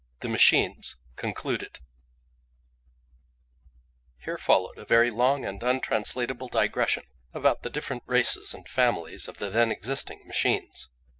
THE MACHINES—concluded Here followed a very long and untranslatable digression about the different races and families of the then existing machines.